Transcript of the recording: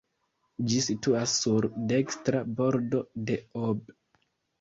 Ĝi situas sur dekstra bordo de Ob.